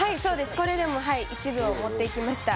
これでもはい一部を持ってきました